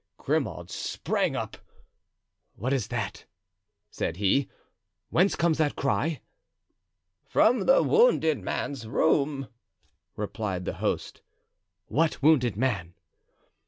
Grimaud sprang up. "What is that?" said he; "whence comes that cry?" "From the wounded man's room," replied the host. "What wounded man?"